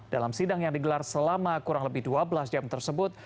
dalam sidang yang digelar selama kurang lebih dua belas jam tersebut